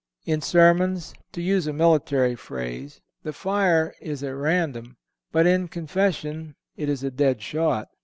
In sermons, to use a military phrase, the fire is at random, but in confession it is a dead shot.